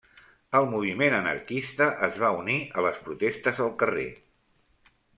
El moviment anarquista es va unir a les protestes al carrer.